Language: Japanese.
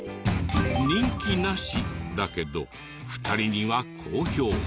人気なしだけど２人には好評。